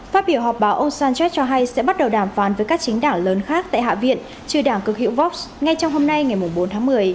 phát biểu họp báo ông sánchez cho hay sẽ bắt đầu đàm phán với các chính đảng lớn khác tại hạ viện trừ đảng cực hữu vox ngay trong hôm nay ngày bốn tháng một mươi